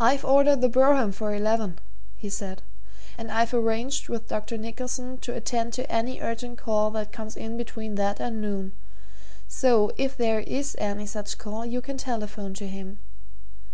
"I've ordered the brougham for eleven," he said, "and I've arranged with Dr. Nicholson to attend to any urgent call that comes in between that and noon so, if there is any such call, you can telephone to him.